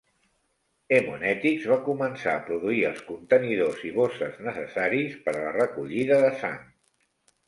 Haemonetics va començar a produir els contenidors i bosses necessaris per a la recollida de sang.